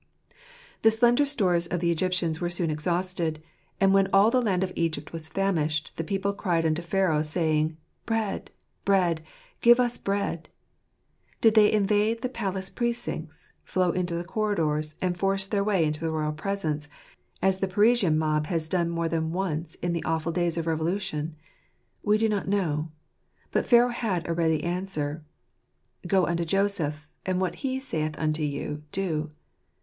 The slender stores of the Egyptians were soon ex hausted ; and when all the land of Egypt was famished, the people cried unto Pharaoh, saying :" Bread ! bread ! give us bread !" Did they invade the palace precincts, flow into the corridors, and force their way into the royal presence, as the Parisian mob has done more than once in the awful days of revolution? We do not know. But Pharaoh had a ready answer :" Go unto Joseph ; and what he saith unto you, do."